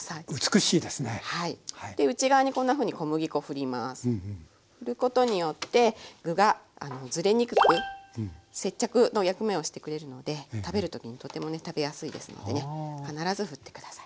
ふることによって具がずれにくく接着の役目をしてくれるので食べる時にとてもね食べやすいですのでね必ずふって下さい。